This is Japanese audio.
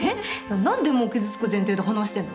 何でもう傷つく前提で話してんの。